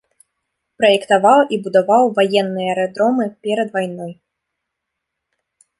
Праектаваў і будаваў ваенныя аэрадромы перад вайной.